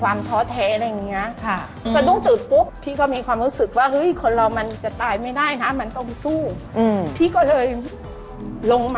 ว่าเทปเปลี่ยน